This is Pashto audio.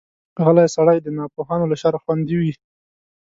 غلی سړی، د ناپوهانو له شره خوندي وي.